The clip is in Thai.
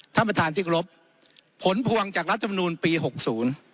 ท่านประธานที่กรบผลพวงจากรัฐมนูลปีหกศูนย์